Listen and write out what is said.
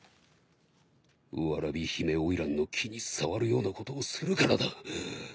蕨姫花魁の気に障るようなことをするからだ。